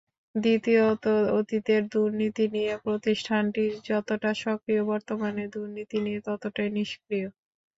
দ্বিতীয়ত, অতীতের দুর্নীতি নিয়ে প্রতিষ্ঠানটি যতটা সক্রিয় বর্তমানের দুর্নীতি নিয়ে ততটাই নিষ্ক্রিয়।